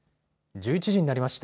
１１時になりました。